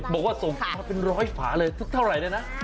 บอกว่าส่งมาเป็นร้อยฝาเลยสักเท่าไหร่เลยนะ